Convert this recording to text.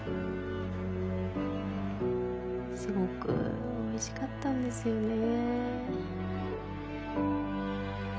すごく美味しかったんですよねぇ。